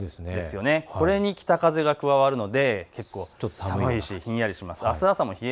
これに北風が加わるのでちょっと寒いし、ひんやりします。